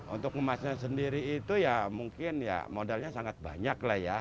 untuk kemasnya sendiri itu ya mungkin ya modalnya sangat banyak lah ya